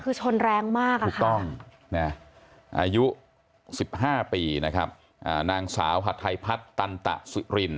คือชนแรงมากถูกต้องนะอายุ๑๕ปีนะครับนางสาวหัดไทยพัฒน์ตันตะสุริน